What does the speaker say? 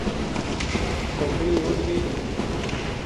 پکھنی اُڈ گئی